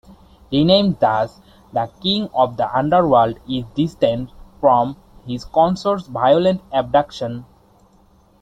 Renamed thus, the king of the underworld is distanced from his consort's violent abduction.